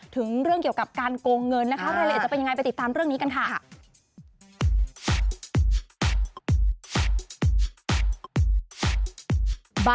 ถึงเรื่องเกี่ยวกับการโกงเงินนะคะ